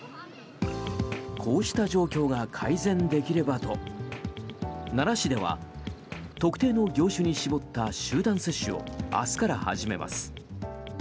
こうした状況が改善できればと奈良市では特定の業種に絞った集団接種を明日から始めます。